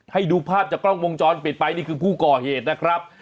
ให้ดูภาพจากกล้องวงจรปิดไปนี่คือผู้ก่อเหตุนะครับ